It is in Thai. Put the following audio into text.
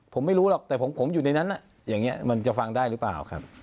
ผมไม่รู้หรอกแต่ผมอยู่ในนั้นอย่างนี้มันจะฟังได้หรือเปล่าครับ